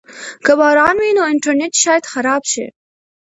که باران وي نو انټرنیټ شاید خراب شي.